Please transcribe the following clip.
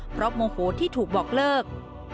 เพราะโมโหที่ถูกบอกเลิก